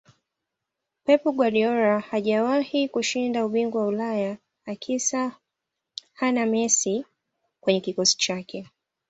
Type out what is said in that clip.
pep guardiola hajawahi kushinda ubingwa wa ulaya akisa hana messi kwenye kikosi chake